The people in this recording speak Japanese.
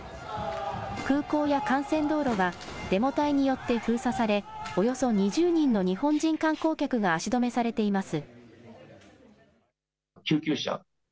空港や幹線道路がデモ隊によって封鎖され、およそ２０人の日本人観光客が足止めされています。